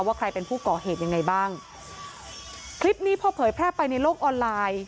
ว่าใครเป็นผู้ก่อเหตุยังไงบ้างคลิปนี้พอเผยแพร่ไปในโลกออนไลน์